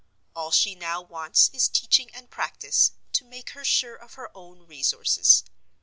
All she now wants is teaching and practice, to make her sure of her own resources.